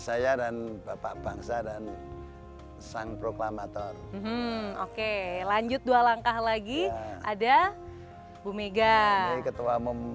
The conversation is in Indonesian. saya dan bapak bangsa dan sang proklamator oke lanjut dua langkah lagi ada bu mega ketua umum